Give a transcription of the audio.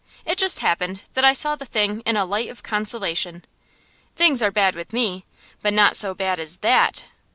It just happened that I saw the thing in a light of consolation. Things are bad with me, but not so bad as THAT.